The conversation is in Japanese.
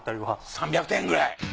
３００点くらい。